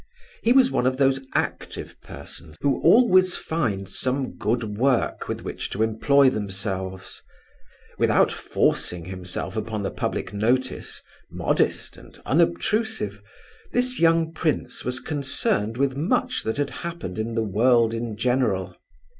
He was one of those active persons who always find some good work with which to employ themselves. Without forcing himself upon the public notice, modest and unobtrusive, this young prince was concerned with much that happened in the world in general.